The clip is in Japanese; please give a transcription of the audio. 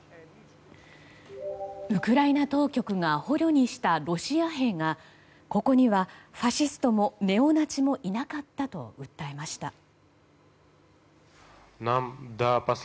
ウクライナ当局が捕虜にしたロシア兵がここにはファシストもネオナチもいなかったと訴えました。